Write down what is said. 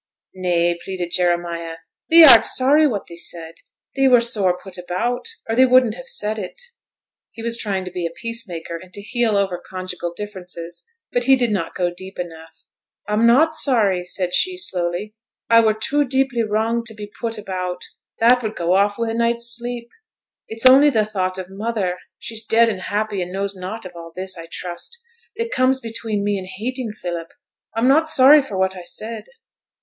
'Nay,' pleaded Jeremiah. 'Thee art sorry what thee said; thee were sore put about, or thee wouldn't have said it.' He was trying to be a peace maker, and to heal over conjugal differences; but he did not go deep enough. 'I'm not sorry,' said she, slowly. 'I were too deeply wronged to be "put about"; that would go off wi' a night's sleep. It's only the thought of mother (she's dead and happy, and knows nought of all this, I trust) that comes between me and hating Philip. I'm not sorry for what I said.'